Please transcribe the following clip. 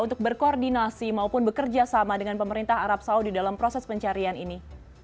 untuk berkoordinasi maupun bekerja sama dengan pemerintah arab saudi dalam proses pencarian ini